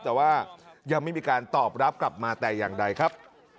แต่ว่ายังไม่มีการตอบรับกลับมาแต่อย่างใดครับ